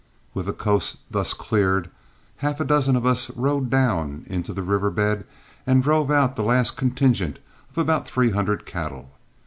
With the coast thus cleared, half a dozen of us rode down into the river bed and drove out the last contingent of about three hundred cattle.